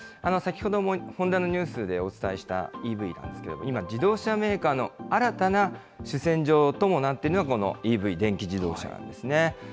先ほどもホンダのニュースでお伝えしたＥＶなんですけれども、今、自動車メーカーの新たな主戦場ともなっているのがＥＶ・電気自動車なんですね。